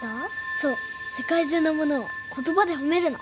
そう世界中のものを言葉で褒めるの。